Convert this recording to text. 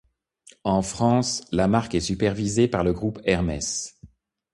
En France, la marque est supervisée par le groupe Hermès.